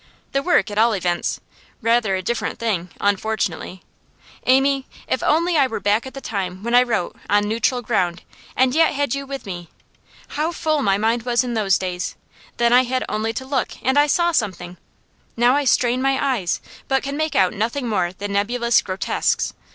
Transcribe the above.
'The work, at all events rather a different thing, unfortunately. Amy, if only I were back at the time when I wrote "On Neutral Ground," and yet had you with me! How full my mind was in those days! Then I had only to look, and I saw something; now I strain my eyes, but can make out nothing more than nebulous grotesques.